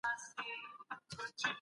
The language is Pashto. موږ په قطار کښي دريږو.